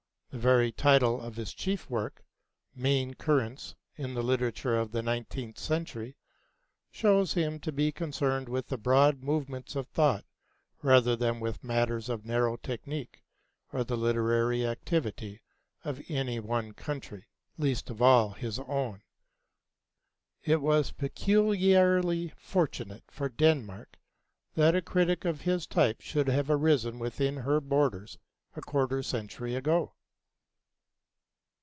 The very title of his chief work 'Main Currents in the Literature of the Nineteenth Century' shows him to be concerned with the broad movements of thought rather than with matters of narrow technique or the literary activity of any one country least of all his own. It was peculiarly fortunate for Denmark that a critic of this type should have arisen within her borders a quarter century ago.